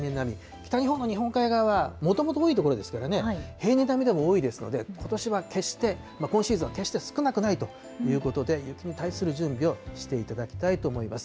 北日本の日本海側はもともと多い所ですからね、平年並みでも多いですので、ことしは決して、今シーズンは決して少なくないということで、雪に対する準備をしていただきたいと思います。